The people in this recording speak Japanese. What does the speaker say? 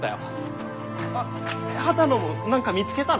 あ波多野も何か見つけたの？